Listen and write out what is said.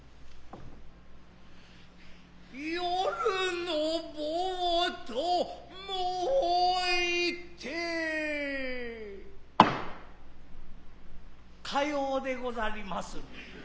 夜の棒と申いて斯様でござりまする。